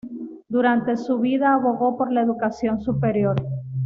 Durante su vida abogó por la educación superior.